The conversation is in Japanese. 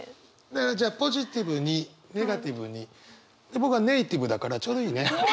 だからポジティブにネガティブに僕はネイティブだからちょうどいいね。